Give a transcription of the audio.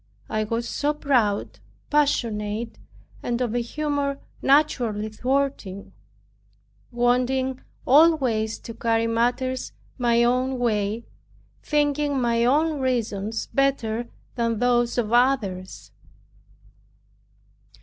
I was so proud, passionate, and of a humor naturally thwarting, wanting always to carry matters my own way, thinking my own reasons better than those of others.